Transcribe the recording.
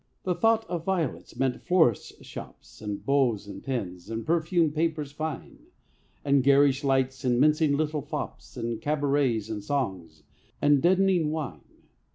The thought of violets meant florists' shops, And bows and pins, and perfumed papers fine; And garish lights, and mincing little fops And cabarets and songs, and deadening wine.